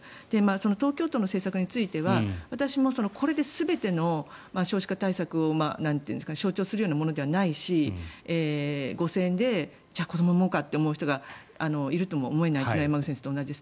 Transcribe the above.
東京都の政策については私もこれで全ての少子化対策を象徴するようなものではないし５０００円でじゃあ、子どもを産もうかって思う人がいるとも思えないというのは山口先生と同じです。